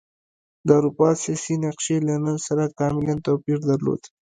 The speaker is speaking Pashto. د اروپا سیاسي نقشې له نن سره کاملا توپیر درلود.